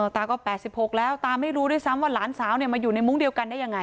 ตาก็๘๖แล้วตาไม่รู้ด้วยซ้ำว่าหลานสาวมาอยู่ในมุ้งเดียวกันได้ยังไง